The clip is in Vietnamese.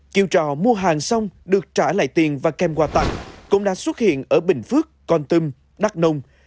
chiêu trò mua hàng xong được trả lại tiền và kèm quà tặng cũng đã xuất hiện ở bình phước con tâm đắc nông